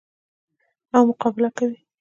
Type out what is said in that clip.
او مقابله کوي.